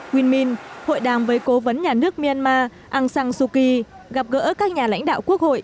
winmin hội đàm với cố vấn nhà nước myanmar aung san suu kyi gặp gỡ các nhà lãnh đạo quốc hội